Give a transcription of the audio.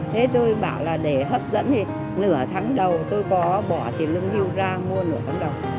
thế tôi bảo là để hấp dẫn thì nửa tháng đầu tôi có bỏ tiền lương hưu ra mua nửa tháng đầu